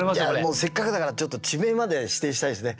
もうせっかくだからちょっと地名まで指定したいですね。